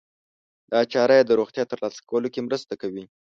دا چاره يې د روغتیا ترلاسه کولو کې مرسته کوي.